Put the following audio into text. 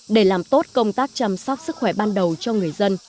để làm tốt công tác chăm sóc sức khỏe ban đầu cho người dân